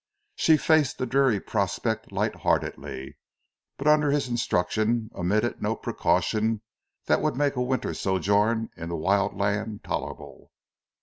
She faced the dreary prospect light heartedly, but under his instruction omitted no precautions that would make a winter sojourn in the wild land tolerable.